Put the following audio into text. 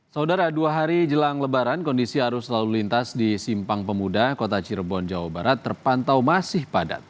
saudara dua hari jelang lebaran kondisi arus lalu lintas di simpang pemuda kota cirebon jawa barat terpantau masih padat